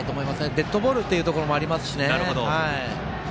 デッドボールっていうところもありますしね。